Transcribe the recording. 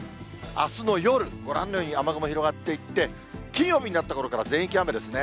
あすの夜、ご覧のように雨雲広がっていって、金曜日になったころから、全域雨ですね。